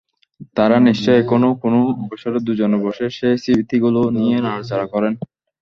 তাঁরা নিশ্চয় এখনো কোনো অবসরে দুজনে বসে সেই স্মৃতিগুলো নিয়ে নাড়াচাড়া করেন।